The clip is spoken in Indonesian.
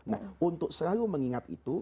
nah untuk selalu mengingat itu